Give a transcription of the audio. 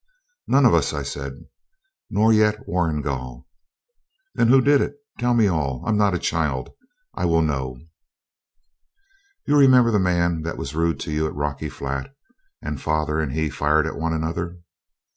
'None of us,' I said again; 'nor yet Warrigal.' 'Then who did it? Tell me all. I'm not a child. I will know.' 'You remember the man that was rude to you at Rocky Flat, and father and he fired at one another?'